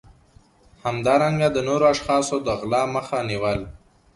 همدارنګه د نورو اشخاصو د غلا مخه نیول